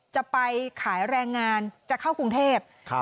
จะไปขายแรงงานจะเข้ากรุงเทพ